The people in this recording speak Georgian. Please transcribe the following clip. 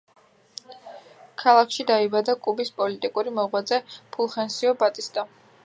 ქალაქში დაიბადა კუბის პოლიტიკური მოღვაწე ფულხენსიო ბატისტა.